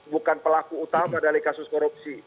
bukan pelaku utama dari kasus korupsi